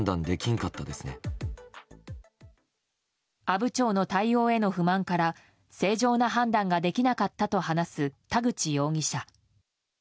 阿武町の対応への不満から正常な判断ができなかったと話す田口容疑者。